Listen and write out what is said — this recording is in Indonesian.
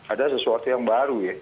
ada sesuatu yang baru ya